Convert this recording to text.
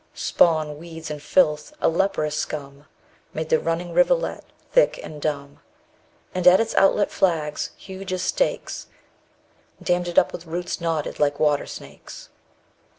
_65 Spawn, weeds, and filth, a leprous scum, Made the running rivulet thick and dumb, And at its outlet flags huge as stakes Dammed it up with roots knotted like water snakes.